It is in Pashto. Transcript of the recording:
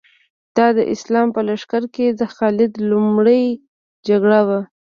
دا د اسلام په لښکر کې د خالد لومړۍ جګړه وه.